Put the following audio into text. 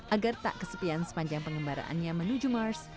agar tak kesepian sepanjang pengembaraannya menuju mars